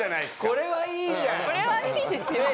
これはいいですよね。